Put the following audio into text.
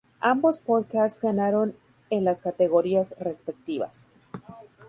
Ambos podcasts ganaron en las categorías respectivas.